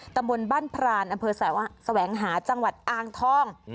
ตำบลบ้านพรานอสวังหาจังหวัดอ้างท่อง